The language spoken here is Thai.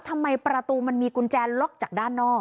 ทำไมประตูมันมีกุญแจล็อกจากด้านนอก